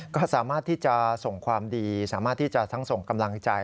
ก็สามารถที่จะส่งความดีสามารถที่จะทั้งส่งกำลังใจ